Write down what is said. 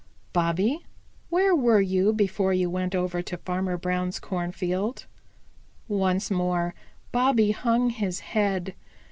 Bobby, where were you before you went over to Farmer Brown's cornfield?" Once more Bobby hung his head.